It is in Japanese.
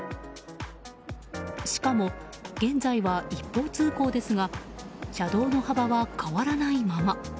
しかも、現在は一方通行ですが車道の幅は変わらないまま。